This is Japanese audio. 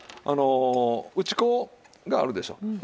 あの打ち粉があるでしょう。